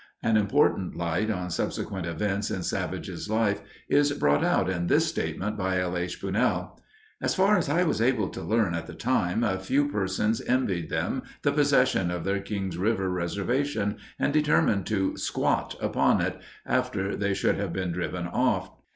An important light on subsequent events in Savage's life is brought out in this statement by L. H. Bunnell: As far as I was able to learn at the time, a few persons envied them the possession of their Kings River reservation and determined to "squat" upon it, after they should have been driven off.